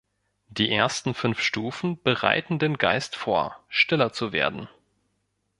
Die ersten fünf Stufen bereiten den Geist vor, stiller zu werden.